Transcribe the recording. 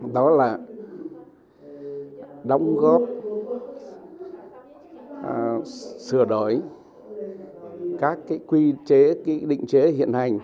đó là đóng góp sửa đổi các quy chế định chế hiện hành